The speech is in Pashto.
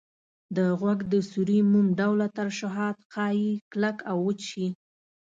د غوږ د سوري موم ډوله ترشحات ښایي کلک او وچ شي.